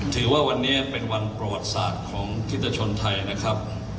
ถือว่าวันนี้เป็นวันประวัติศาสตร์ของทิศชนไทยนะครับ